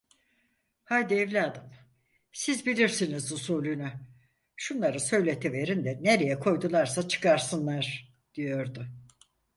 Haydi evladım, siz bilirsiniz usulünü, şunları söyletiverin de nereye koydularsa çıkarsınlar! diyordu.